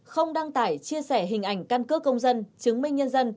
không đăng tải chia sẻ hình ảnh căn cước công dân chứng minh nhân dân